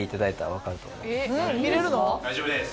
大丈夫です！